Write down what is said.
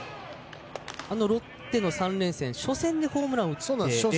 ロッテの３連戦初戦にホームランを打ちましたよね。